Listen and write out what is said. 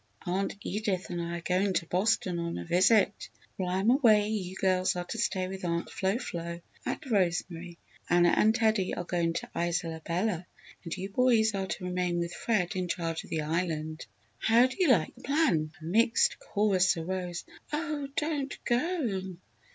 Aunt Edith and I are going to Boston on a visit. While I am away you girls are to stay with Aunt Flo Flo at Rosemary. Anna and Teddy are going to Isola Bella, and you boys are to remain with Fred in charge of the Island. How do you like the plan?" A mixed chorus arose: "Oh, don't go!"